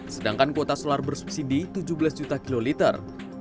sedangkan kuota solar bersubsidi tujuh belas juta kiloliter